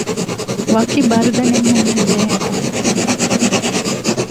ވަކި ބަރުދަނެއް ހުންނަންޖެހޭތަ؟